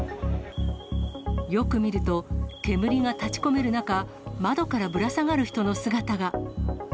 よく見ると、煙が立ち込める中、窓からぶら下がる人の姿が。